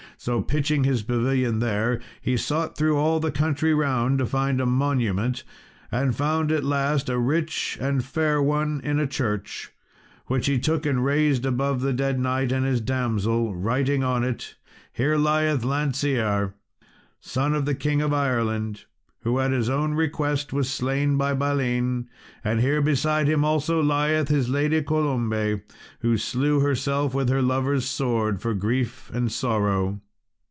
So pitching his pavilion there, he sought through all the country round to find a monument, and found at last a rich and fair one in a church, which he took and raised above the dead knight and his damsel, writing on it "Here lieth Lancear, son of the King of Ireland, who, at his own request, was slain by Balin; and here beside him also lieth his lady Colombe, who slew herself with her lover's sword for grief and sorrow."